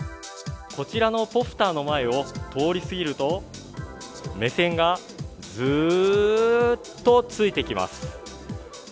こちらのポスターの前を通り過ぎると目線がずーっとついてきます。